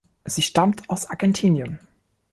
Sie stammt aus Argentinien.